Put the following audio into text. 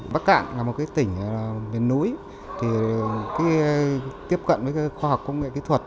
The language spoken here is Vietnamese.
bắc cạn là một tỉnh ở miền núi thì tiếp cận với khoa học công nghệ kỹ thuật